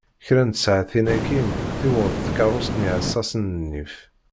Kra n tsaɛtin akin, tiweḍ-d tkarrust n yiɛessassen n nnif.